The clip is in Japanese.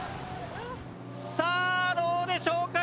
さあどうでしょうか。